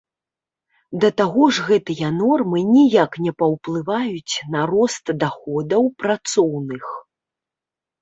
Да таго ж гэтыя нормы ніяк не паўплываюць на рост даходаў працоўных.